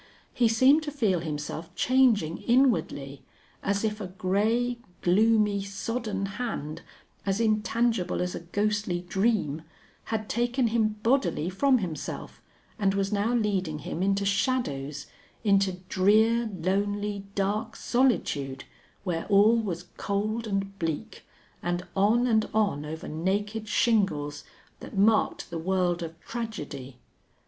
He seemed to feel himself changing inwardly, as if a gray, gloomy, sodden hand, as intangible as a ghostly dream, had taken him bodily from himself and was now leading him into shadows, into drear, lonely, dark solitude, where all was cold and bleak; and on and on over naked shingles that marked the world of tragedy.